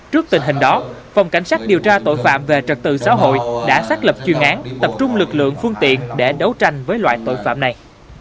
trước tình hình đó phòng cảnh sát điều tra tội phạm về trật tự xã hội đã xác lập chuyên án tập trung lực lượng phương tiện để đấu tranh với loại tội phạm này